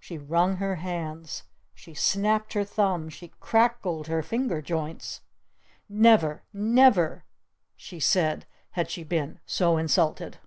She wrung her hands. She snapped her thumbs! She crackled her finger joints! "Never Never," she said had she been "so insulted!"